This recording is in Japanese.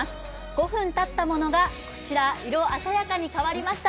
５分立ったものがこちら、色鮮やかに変わりました。